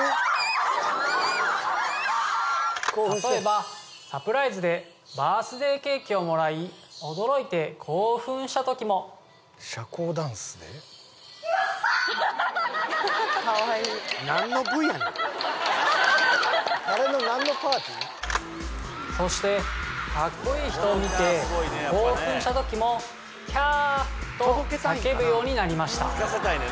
例えばサプライズでバースデーケーキをもらい驚いて興奮した時もそしてかっこいい人を見て興奮した時も「キャー」と叫ぶようになりました